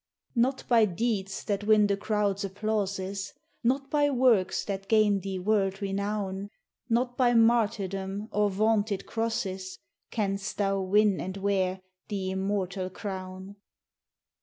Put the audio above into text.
Not by deeds that win the crowd's applauses, Not by works that gain thee world renown, Not by martyrdom or vaunted crosses, Canst thou win and wear the immortal crown.